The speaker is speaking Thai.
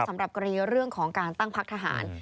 สำหรับกรณีเรื่องของการตั้งพักทหาร